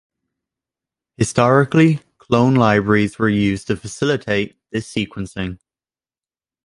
Historically, clone libraries were used to facilitate this sequencing.